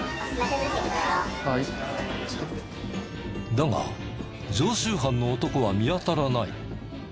だが常習犯の男は見当たらない。